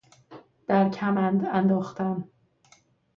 در کمند انداختن